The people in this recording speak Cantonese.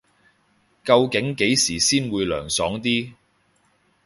究竟幾時先會涼爽啲